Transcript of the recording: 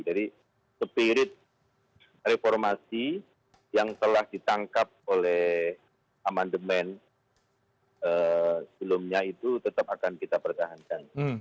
jadi spirit reformasi yang telah ditangkap oleh amendement sebelumnya itu tetap akan kita pertahankan